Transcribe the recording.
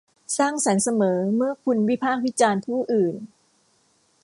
สร้างสรรค์เสมอเมื่อคุณวิพากษ์วิจารณ์ผู้อื่น